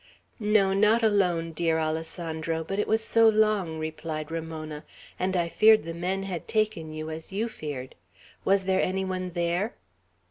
"No, not alone, dear Alessandro, but it was so long!" replied Ramona; "and I feared the men had taken you, as you feared. Was there any one there?"